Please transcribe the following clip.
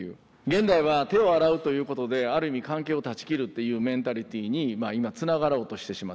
現代は手を洗うということである意味関係を断ち切るっていうメンタリティーに今つながろうとしてしまってる。